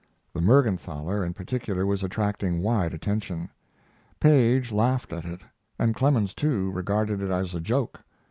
The Mergenthaler, in particular, was attracting wide attention. Paige laughed at it, and Clemens, too, regarded it as a joke.